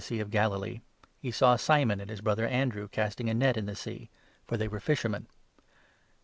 Sea of Galilee, he saw Simon and his brother Andrew casting a net in the Sea, for they were fishermen.